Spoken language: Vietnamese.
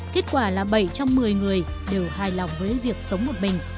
kết quả là bảy trong một mươi người đều hài lòng với việc sống một mình